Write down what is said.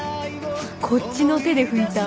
こっちの手で拭いた。